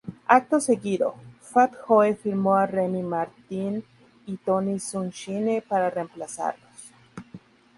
Acto seguido, Fat Joe firmó a Remy Martin y Tony Sunshine para reemplazarlos.